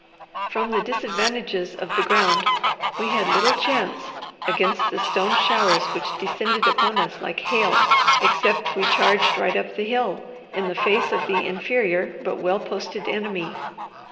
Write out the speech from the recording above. From the disadvantages of the ground, we had little chance against the stone showers which descended upon us like hail, except we charged right up the hill, in the face of the inferior but well posted enemy.